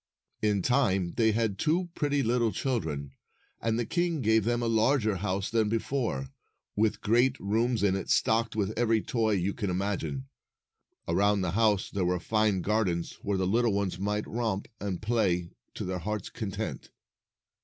In time, they had two pretty little children, and the king gave them a larger house than before, with great rooms in it, stocked with every toy you can imagine. Around the house there were fine gardens, where the little ones might romp and play to their hearts' content.